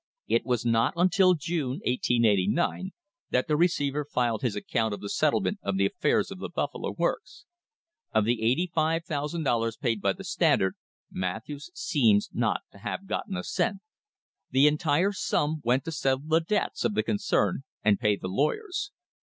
It was not until June, 1889, that the receiver filed his account of the settlement of the affairs of the Buffalo Works. Of the $85,000 paid by the Standard, Matthews seems not to have gotten a cent. The entire sum went to settle the debts of the concern and pay the lawyers.